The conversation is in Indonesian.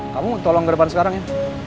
kamu tolong ke depan sekarang ya